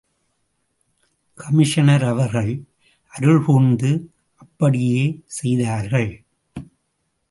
Commissioner அவர்கள் அருள் கூர்ந்து அப்படியே செய்தார்கள்.